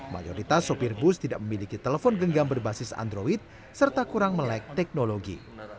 mayoritas sopir bus tidak memiliki telepon genggam berbasis android serta kurang melek teknologi